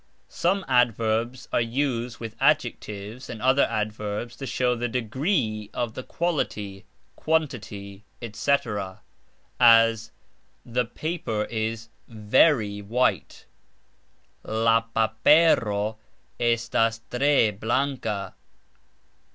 Some adverbs are used with adjectives and other adverbs to show the "degree" of the quality, quantity, etc., as The paper is "very" white, La papero estas "tre" blanka.